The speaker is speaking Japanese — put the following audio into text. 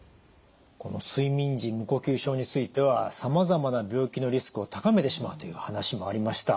この睡眠時無呼吸症についてはさまざまな病気のリスクを高めてしまうという話もありました。